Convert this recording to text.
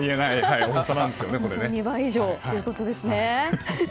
２倍以上ということですね。